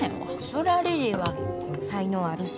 そりゃリリーは才能あるし。